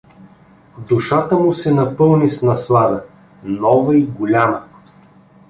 Душата му се напълни с наслада, нова и голяма.